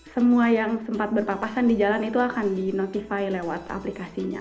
semua yang sempat berpapasan di jalan itu akan di notify lewat aplikasinya